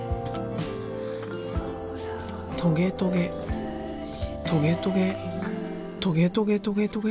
トゲトゲトゲトゲトゲトゲトゲトゲ。